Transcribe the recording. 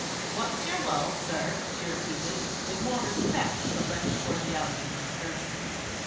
"What's yer wull, sir?" she repeated, with more respect, but less cordiality than at first.